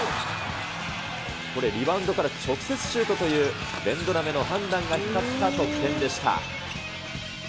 これ、リバウンドから直接シュートという、ベンドラメの判断が光った得点でした。